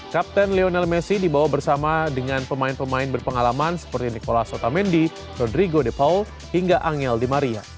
kapten lionel messi dibawa bersama dengan pemain pemain berpengalaman seperti nicolas otamendi rodrigo de paul hingga angel di maria